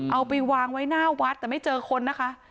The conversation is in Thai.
เอาไปวางไว้หน้าวัดแต่ไม่เจอคนนะคะ